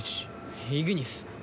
イグニス。